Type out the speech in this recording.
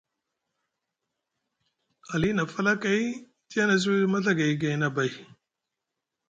Ali na falakay tiyana e sûwiɗi maɵagay gayni abay.